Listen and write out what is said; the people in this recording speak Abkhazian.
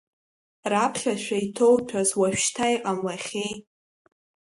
Раԥхьашәа иҭоуҭәаз уажәшьҭа иҟамлахьеи?